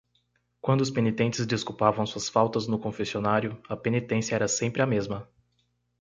Quando os penitentes desculpavam suas faltas no confessionário, a penitência era sempre a mesma.